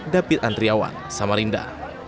david antriawan samarinda